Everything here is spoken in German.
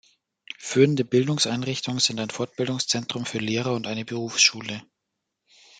Führende Bildungseinrichtungen sind ein Fortbildungszentrum für Lehrer und eine Berufsschule.